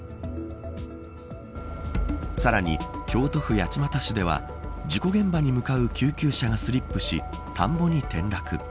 さらに京都府八幡市では事故現場に向かう救急車がスリップし田んぼに転落。